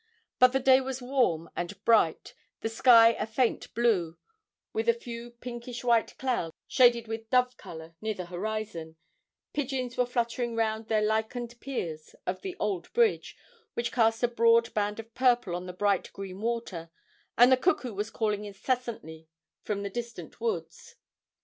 But the day was warm and bright, the sky a faint blue, with a few pinkish white clouds shaded with dove colour near the horizon, pigeons were fluttering round the lichened piers of the old bridge, which cast a broad band of purple on the bright green water, and the cuckoo was calling incessantly from the distant woods.